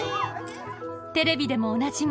テレビでもおなじみ